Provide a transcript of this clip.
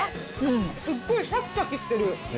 すっごいシャキシャキしてる。